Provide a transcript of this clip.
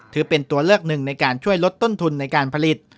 ถือเป็นตัวเลือกหนึ่งในการช่วยลดต้นทุนในการผลิต